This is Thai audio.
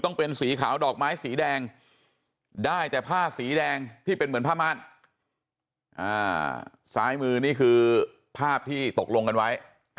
ต้องเป็นสีขาวดอกไม้สีแดงได้แต่ผ้าสีแดงที่เป็นเหมือนผ้าม่านซ้ายมือนี่คือภาพที่ตกลงกันไว้